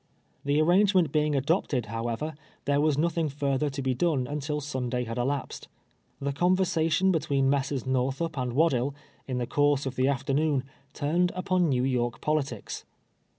The arrangement being adopted, liowever, there was nothing further to be done until Sunday had elapsed. The conversation between Messrs. Xorthup and 'Waddill, in the course of the afternoon, turned upon Xew York politics.